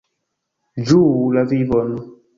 Ĝuu la vivon!